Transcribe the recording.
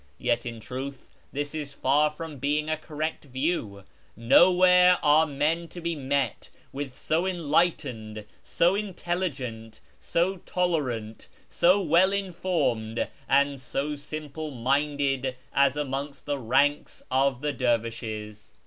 Yet in truth this is far from being a correct view. Nowhere are men to be met with so enlightened, so intelligent, so tolerant, so well informed, and so simple minded as amongst the ranks of the dervishes.